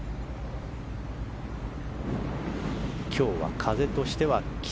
今日は風としては北。